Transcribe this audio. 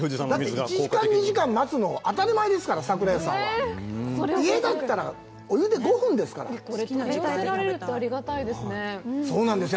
ねだって１時間２時間待つの当たり前ですから桜家さんは家だったらお湯で５分ですからこれ取り寄せられるとありがたいですねそうなんですよ